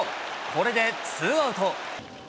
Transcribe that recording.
これでツーアウト。